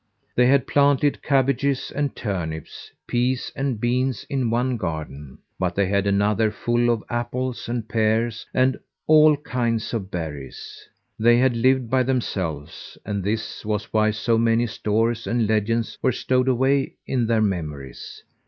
They had planted cabbages and turnips, peas and beans in one garden, but they had another full of apples and pears and all kinds of berries. They had lived by themselves, and this was why so many stories and legends were stowed away in their memories.